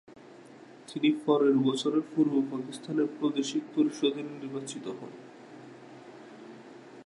তিনি পরের বছরের পূর্ব পাকিস্তানের প্রাদেশিক পরিষদে নির্বাচিত হন।